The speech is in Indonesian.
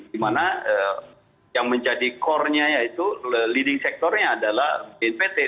dimana yang menjadi core nya yaitu leading sectornya adalah bnpt